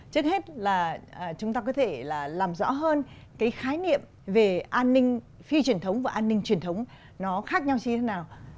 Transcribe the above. trước hết là chúng ta có thể là làm rõ hơn cái khái niệm về an ninh phi truyền thống và an ninh truyền thống nó khác nhau chi thế nào